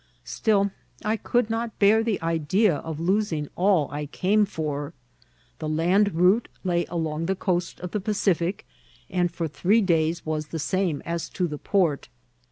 Still I could not bear the idea of losing all I came for. The land route lay along the coast of the Pacific, and for three days was the same as to the port.